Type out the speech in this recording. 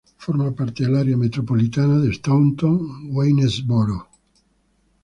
Forma parte del área micropolitana de Staunton–Waynesboro.